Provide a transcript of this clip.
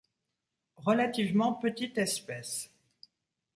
Relativement petite espèce.